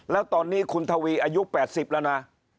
แล้วตอนนี้คุณทวีอายุ๘๐แล้วนะ